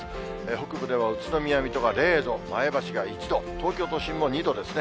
北部では宇都宮、水戸が０度、前橋が１度、東京都心も２度ですね。